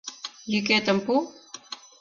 Йӱкетым пу!